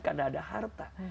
karena ada harta